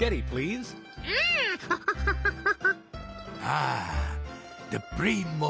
ああプリモ